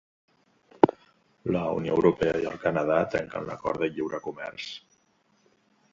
La Unió Europea i el Canadà trenquen l'acord de lliure comerç.